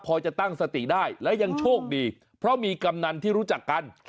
พอจะตั้งสติได้และยังโชคดีเพราะมีกำนันที่รู้จักกัน